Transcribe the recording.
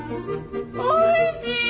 おいしい！